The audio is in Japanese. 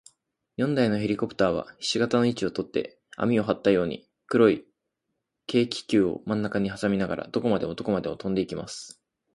四台のヘリコプターは、ひし形の位置をとって、綱をはったように、黒い軽気球をまんなかにはさみながら、どこまでもどこまでもとんでいきます。